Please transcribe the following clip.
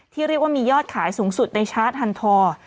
เรียกว่ามียอดขายสูงสุดในชาร์จฮันทอ